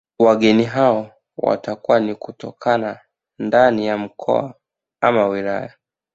Wageni hao watakuwa ni kutokana ndani ya mkoa ama wilaya